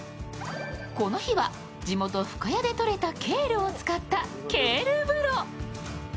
この日は地元・深谷でとれたケールを使ったケール風呂。